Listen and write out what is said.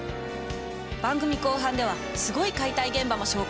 番組後半ではすごい解体現場も紹介。